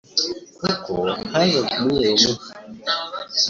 kuko hazaga umwe umwe